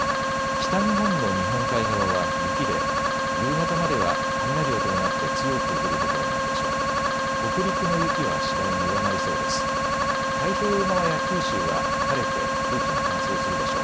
北日本の日本海側は雪で夕方までは雷を伴って強く降る所があるでしょう。